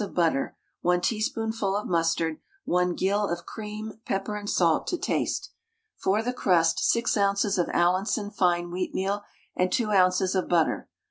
of butter, 1 teaspoonful of mustard, 1 gill of cream, pepper and salt to taste. For the crust 6 oz. of Allinson fine wheatmeal, and 2 oz. of butter.